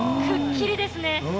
くっきりですね。